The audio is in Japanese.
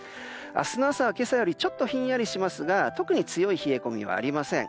明日の朝は今朝よりちょっとひんやりしますが特に強い冷え込みはありません。